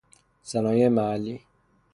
صنایع محلی